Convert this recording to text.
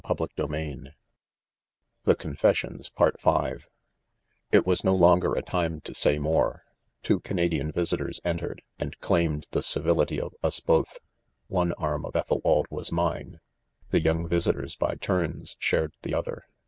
and did not my evil fate pre vail] i It was no longer a time to say more ;' two Canadian visitors entered, and claimed the civility of us both. One arm of Ethelwald was mine, the young visitors by turns, shared the other.